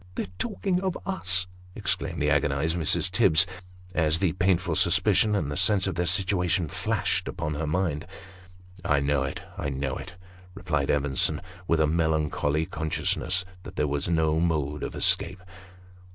" They're talking of us !" exclaimed the agonised Mrs. Tibbs, as the painful suspicion, and a sense of their situation, flashed upon her mind. " I know it I know it," replied Evenson, with a melancholy con sciousness that there was no mode of escape.